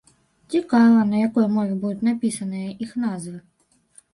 Цікава, на якой мове будуць напісаныя іх назвы.